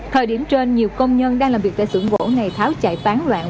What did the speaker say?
thời điểm trên nhiều công nhân đang làm việc tại xưởng gỗ này tháo chạy phán loạn